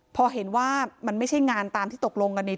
พอเห็นว่ามันไม่ใช่งานตามที่ตกลงกันเนี่ย